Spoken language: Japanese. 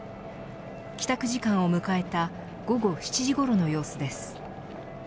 帰宅時間を迎えた午後７時ごろの様子です。